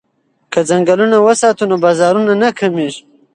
که ځنګلونه وساتو نو بارانونه نه کمیږي.